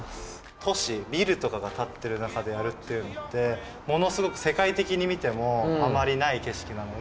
都市、ビルとかが建っている中でやるって、世界的に見てもあまりない景色なので。